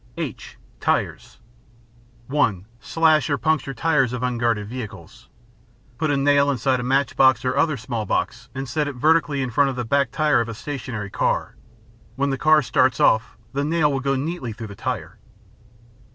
(h) Tires (1) Slash or puncture tires of unguarded vehicles. Put a nail inside a match box or other small box, and set it vertically in front of the back tire of a stationary car; when the car starts off, the nail will go neatly through the tire.